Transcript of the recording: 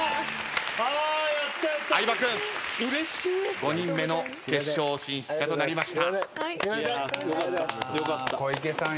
５人目の決勝進出者となりました。